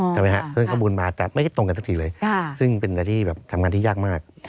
เพิ่มข้อมูลมาแต่ไม่ได้ตรงกันสักทีเลยซึ่งเป็นอะไรที่แบบทำงานที่ยากมาก